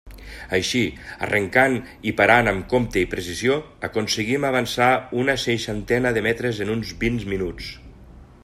Així, arrencant i parant amb compte i precisió aconseguim avançar una seixantena de metres en uns vint minuts.